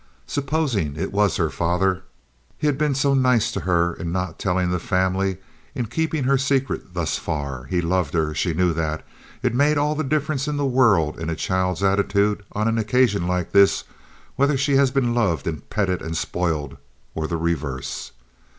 Supposing it was her father—he had been so nice to her in not telling the family, in keeping her secret thus far. He loved her—she knew that. It makes all the difference in the world in a child's attitude on an occasion like this whether she has been loved and petted and spoiled, or the reverse.